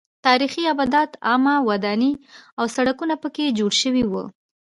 تاریخي ابدات عامه ودانۍ او سړکونه پکې جوړ شوي وو.